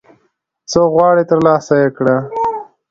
څه غواړي ترلاسه یې کړه